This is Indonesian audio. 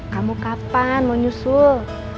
kamu kapan mau nyusul